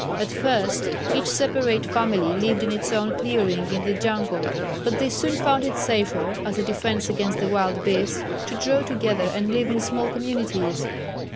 At first each separate family lived in its own clearing in the jungle, but they soon found it safer, as a defence against the wild beasts, to draw together and live in small communities.